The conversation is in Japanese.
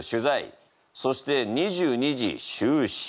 そして２２時就寝。